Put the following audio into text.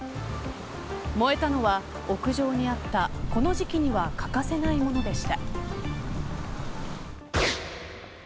燃えたのは、屋上にあったこの時期には欠かせないものでした。